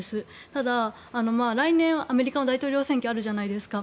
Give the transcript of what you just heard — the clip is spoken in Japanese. ただ来年、アメリカ大統領選挙があるじゃないですか。